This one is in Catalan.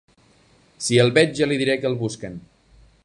Si el veig ja li diré que el busquen.